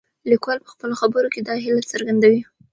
لیکوال په خپلو خبرو کې دا هیله څرګندوي.